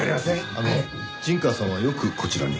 あの陣川さんはよくこちらに？